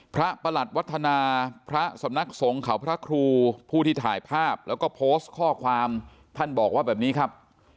ประหลัดวัฒนาพระสำนักสงฆ์เขาพระครูผู้ที่ถ่ายภาพแล้วก็โพสต์ข้อความท่านบอกว่าแบบนี้ครับ